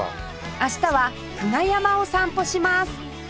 明日は久我山を散歩します